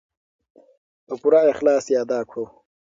په پوره اخلاص یې ادا کړو.